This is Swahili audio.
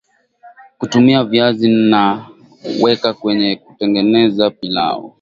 Kutumia viazi na weka kwenye kutengeneza pilau